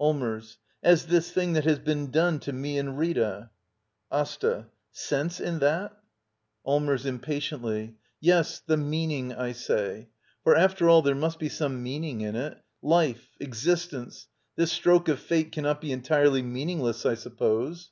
Allmbrs. As this thing that has been done to me and Rita. Asta. Sense in that? 49 Digitized by VjOOQIC LITTLE EYOLF « Act ii. Allmers. [Impatiently.] Yes, the meaning, I say. For, after all, there must be some meaning in / it. Life, existence — this stroke of fate cannot be v/ entirely meaningless, I suppose.